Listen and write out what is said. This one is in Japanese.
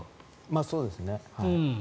まあ、そうですね。